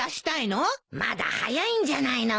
まだ早いんじゃないの？